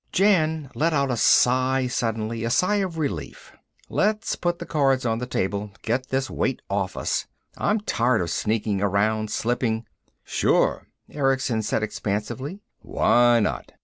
Jan let out a sigh suddenly, a sigh of relief. "Let's put the cards on the table, get this weight off us. I'm tired of sneaking around, slipping " "Sure," Erickson said expansively. "Why not?"